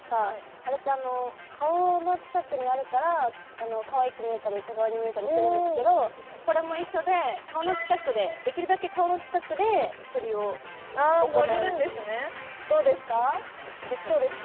あれって顔の近くにやるからかわいく見えたり小顔に見えたりするんですけどこれも一緒で顔の近くでできるだけ顔の近くで振りを行うどうですかできそうですか？